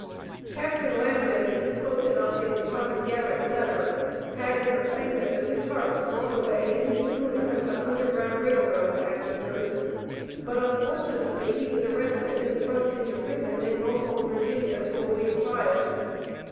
Captain Lambdin, spoken of in Thomas Garrett's letter, had, in the kindness of his heart, brought away in his schooner some Underground Rail Road passengers, but unfortunately he was arrested and thrust into prison in Norfolk, Va., to await trial.